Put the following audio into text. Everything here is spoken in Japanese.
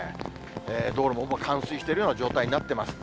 道路もほぼ冠水しているような状態になってます。